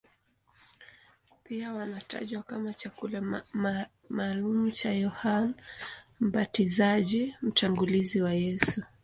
Pia wanatajwa kama chakula maalumu cha Yohane Mbatizaji, mtangulizi wa Yesu.